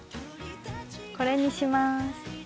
これにします。